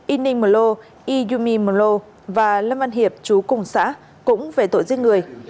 ynning mùa lô yumi mùa lô và lâm văn hiệp chú cùng xã cũng về tội giết người